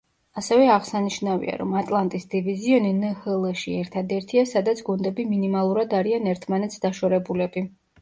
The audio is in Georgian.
ასევე აღსანიშნავია, რომ ატლანტის დივიზიონი ნჰლ-ში ერთადერთია, სადაც გუნდები მინიმალურად არიან ერთმანეთს დაშორებულები.